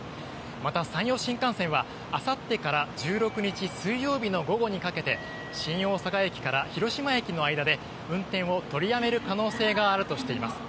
また、山陽新幹線はあさってから１６日、水曜日の午後にかけて新大阪駅から広島駅の間で運転を取りやめる可能性があるとしています。